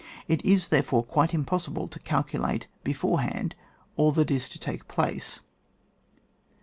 It is, there fore, quite impossible to calculate before hand all that is to take place.